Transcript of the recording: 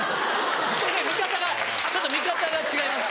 見方がちょっと見方が違います